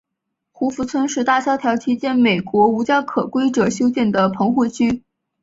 胡佛村是大萧条期间美国无家可归者修建的棚户区。